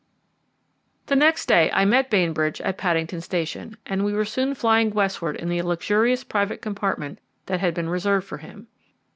The next day I met Bainbridge at Paddington Station, and we were soon flying westward in the luxurious private compartment that had been reserved for him.